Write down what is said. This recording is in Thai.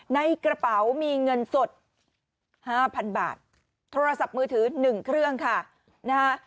ในกระเป๋ามีเงินสดห้าพันบาทโทรศัพท์มือถือ๑เครื่องค่ะนะฮะ